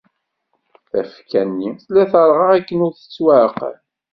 Tafekka-nni tella terɣa akken ur tettwaεqal.